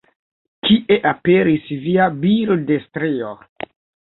Kie aperis via bildstrio?